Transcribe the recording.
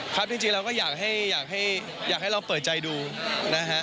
ครับจริงเราก็อยากให้อยากให้อยากให้เราเปิดใจดูนะฮะ